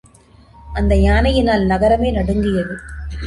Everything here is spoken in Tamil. அந்த யானையினால் நகரமே நடுங்கியது.